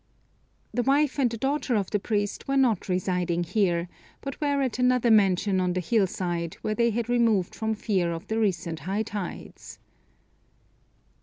The wife and the daughter of the priest were not residing here, but were at another mansion on the hill side, where they had removed from fear of the recent high tides.